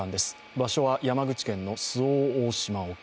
場所は山口県周防大島沖。